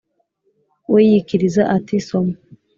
we yikiriza ati: “Soma”.